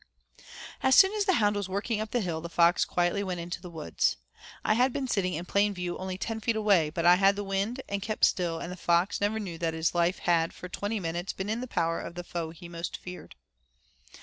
As soon as the hound was working up the hill, the fox quietly went into the woods. I had been sitting in plain view only ten feet away, but I had the wind and kept still and the fox never knew that his life had for twenty minutes been in the power of the foe he most feared.